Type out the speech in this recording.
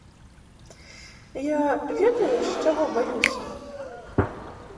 Я, ведаеш, чаго баюся?